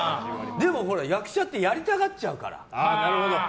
でも役者ってやりたがっちゃうから。